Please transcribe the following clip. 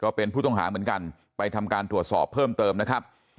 เป็นผู้ต้องหาเหมือนกันไปทำการตรวจสอบเพิ่มเติมนะครับ